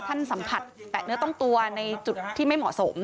ท่านสัมผัสแตะเนื้อต้องตัวในจุดที่ไม่เหมาะสม